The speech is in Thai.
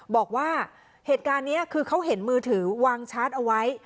บอกว่าเหตุการณ์นี้คือเขาเห็นมือถือวางชาร์จเอาไว้